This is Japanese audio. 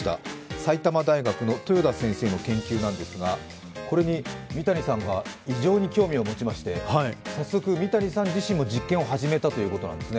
埼玉大学の先生の研究なんですが、これに三谷さんが異常に興味を持ちまして、早速、三谷さん自身も実験を始めたということなんですね。